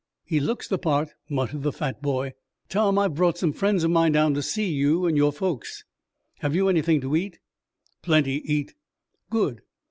"He looks the part," muttered the fat boy. "Tom, I've brought some friends of mine down to see you and your folks. Have you anything to eat?" "Plenty eat." "Good."